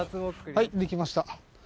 はい、出来ました！